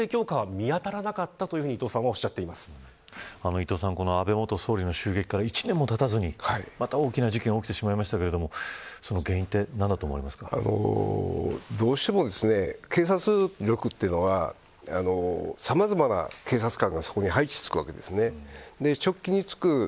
伊藤さん、安倍元総理の銃撃から１年もたたずにまた大きな事件が起きてしまいましたがどうしても警察力というのはさまざまな警察官がそこに配置されるわけです。